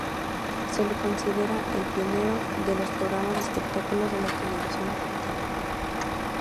Se lo considera "el pionero" de los programas de espectáculos de la televisión argentina.